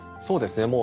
そうですね。